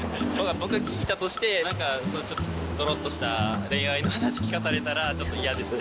僕が聞いたとして、どろっとした恋愛の話聞かされたら、ちょっと嫌ですね。